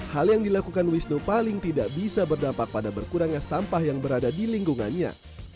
hal yang dilakukan wisnu paling tidak bisa berdampak pada berkurangnya sampah yang berada di lingkungannya